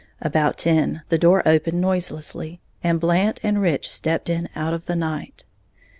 About ten, the door opened noiselessly, and Blant and Rich stepped in out of the night.